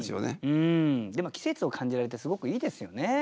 季節を感じられてすごくいいですよね。